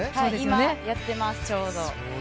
今、やっています、ちょうど。